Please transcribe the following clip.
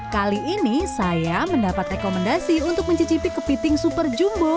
kali ini saya mendapat rekomendasi untuk mencicipi kepiting super jumbo